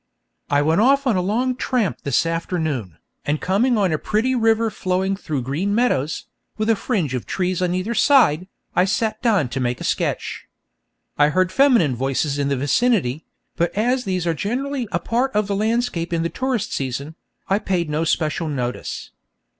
I went off on a long tramp this afternoon, and coming on a pretty river flowing through green meadows, with a fringe of trees on either side, I sat down to make a sketch. I heard feminine voices in the vicinity, but as these are generally a part of the landscape in the tourist season, I paid no special notice.